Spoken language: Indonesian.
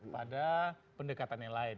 pada pendekatan yang lain